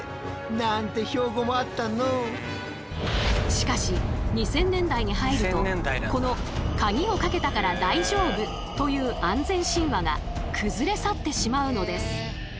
しかし２０００年代に入るとこの「カギをかけたから大丈夫」という安全神話が崩れ去ってしまうのです。